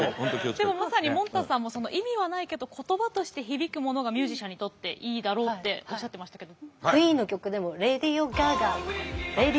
でもまさにもんたさんも意味はないけど言葉として響くモノがミュージシャンにとっていいだろうっておっしゃってましたけど。